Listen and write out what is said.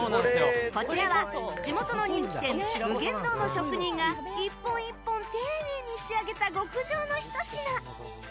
こちらは地元の人気店無限堂の職人が１本１本、丁寧に仕上げた極上のひと品。